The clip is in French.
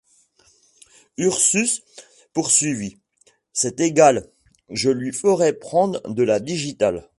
Ursus poursuivit: — C’est égal, je lui ferai prendre de la digitale.